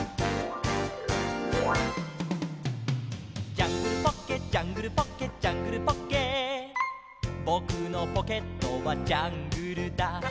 「ジャングルポッケジャングルポッケ」「ジャングルポッケ」「ぼくのポケットはジャングルだ」